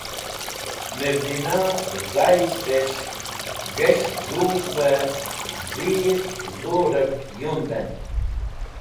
Mẽrdinayishtẽsh ghẽsh zug̃hvẽ dhir dhurẽv yundẽn.